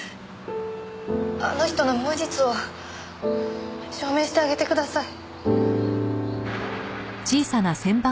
あの人の無実を証明してあげてください。